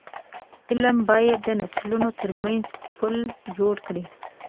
فلم باید د نسلونو ترمنځ پل جوړ کړي